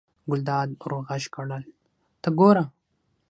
ګلداد ور غږ کړل: ته ګوره.